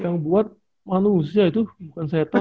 yang buat manusia itu bukan setan